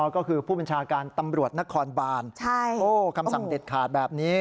ก็คือผู้บัญชาการตำรวจนครบานคำสั่งเด็ดขาดแบบนี้